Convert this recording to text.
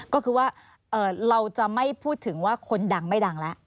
ก็คือว่าเราจะไม่พูดถึงว่าคนดังไม่ดังแล้ว